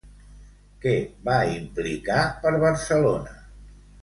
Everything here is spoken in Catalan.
Què va implicar per Barcelona?